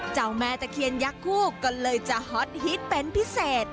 เจ้าแม่ตะเคียนยักษ์คู่ก็เลยจะฮอตฮิตเป็นพิเศษ